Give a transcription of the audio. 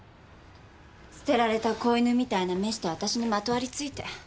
捨てられた子犬みたいな目して私にまとわりついて。